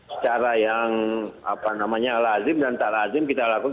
secara yang lazim dan tak lazim kita lakukan